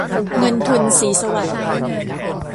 เงินทุน ศรีสวัสดิ์